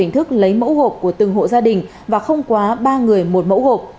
tức lấy mẫu hộp của từng hộ gia đình và không quá ba người một mẫu hộp